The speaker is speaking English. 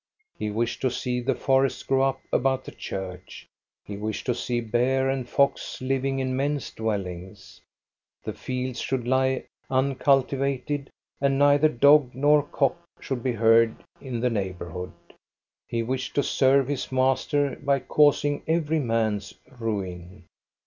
He wished to see the forest grow up about the church. He wished to see bear and fox living in men's dwellings. The fields should lie uncultivated) and neither dog nor cock should be heard in the neighborhood. He wished to serve his master by causing every man's ruin.